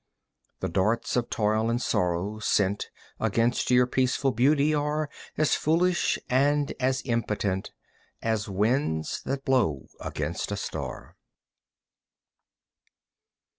The darts of toil and sorrow, sent Against your peaceful beauty, are As foolish and as impotent As winds that blow against a star.